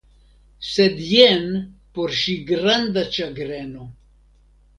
Sed jen por ŝi granda ĉagreno.